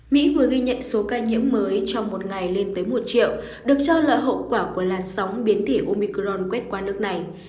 mỹ vừa ghi nhận số ca nhiễm mới trong một ngày lên tới một triệu được cho là hậu quả của làn sóng biến thể umicron quét qua nước này